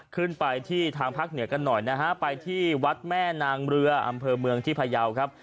ขึ้นไปที่ทางภาคเหนือกันหน่อยนะฮะไปที่วัดแม่นางเรืออำเภอเมืองที่พยาวครับ